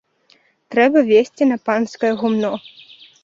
Трэба везці на панскае гумно.